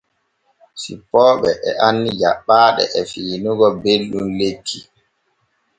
Cippooɓe e anni jaɓɓaaɗe e fiinigo belɗum lekki.